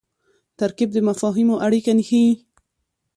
ترکیب د مفاهیمو اړیکه ښيي.